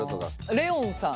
レオンさん。